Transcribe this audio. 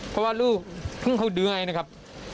เพราะว่าลูกเขาเดี๋ยวไงนะครับ